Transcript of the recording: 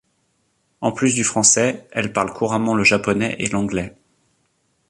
En plus du français, elle parle couramment le japonais et l'anglais.